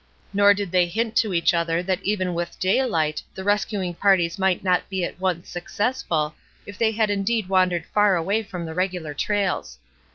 Nor did they hint to each other that even with dayUght the rescuing parties might not be at once success ful, if they had indeed wandered far away from the regular trails.